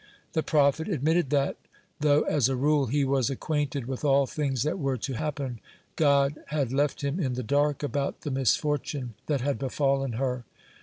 The prophet admitted that, though as a rule he was acquainted with all things that were to happen, God had left him in the dark about the misfortune that had befallen her.